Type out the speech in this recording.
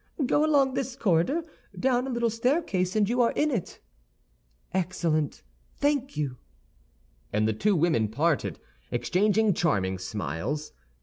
"Go along this corridor, down a little staircase, and you are in it." "Excellent; thank you!" And the two women parted, exchanging charming smiles.